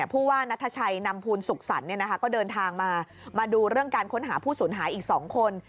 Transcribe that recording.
ผู้ว่านัทชัยนำภูลสุขสรรค์ก็เดินทางมามาดูเรื่องการค้นหาผู้สูญหายอีก๒คน